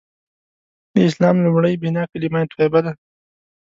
د اسلام لومړۍ بناء کلیمه طیبه ده.